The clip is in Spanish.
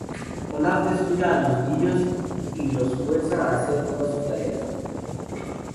Olaf descuida a los niños y los fuerza hacer todas sus tareas.